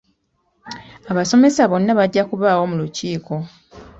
Abasomesa bonna bajja kubaawo mu lukiiko.